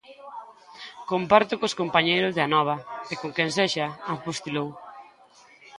"Compártoo cos compañeiros de Anova e con quen sexa", apostilou.